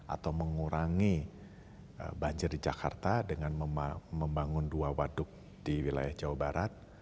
atau mengurangi banjir di jakarta dengan membangun dua waduk di wilayah jawa barat